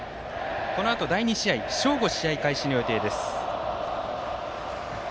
第２試合、正午試合開始の予定です。